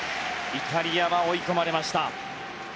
イタリアは追い込まれました。